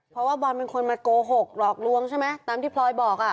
เพราะว่าบอลเป็นคนมาโกหกหลอกลวงใช่ไหมตามที่พลอยบอกอ่ะ